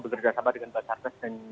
bekerja sama dengan basarnas dan